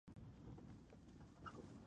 ملي ګټې تر شخصي هغو لوړې دي.